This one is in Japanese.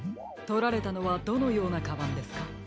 とられたのはどのようなカバンですか？